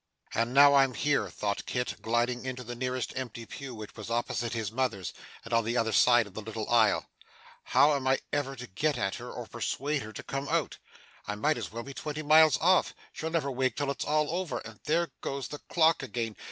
'And now I'm here,' thought Kit, gliding into the nearest empty pew which was opposite his mother's, and on the other side of the little aisle, 'how am I ever to get at her, or persuade her to come out! I might as well be twenty miles off. She'll never wake till it's all over, and there goes the clock again!